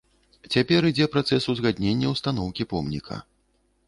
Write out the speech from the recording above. Цяпер ідзе працэс узгаднення устаноўкі помніка.